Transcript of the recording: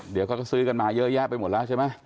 เดี๋ยวเขาก็ซื้อกันมาเยอะแยะไปหมดแล้วใช่ไหม